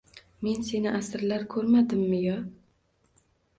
Men seni asrlar ko’rmadimmi, yo